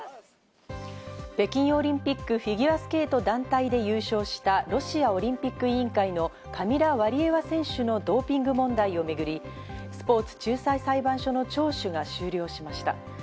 北京オリンピック、フィギアスケート団体で優勝したロシアオリンピック委員会のカミラ・ワリエワ選手のドーピング問題をめぐり、スポーツ仲裁裁判所の聴取が終了しました。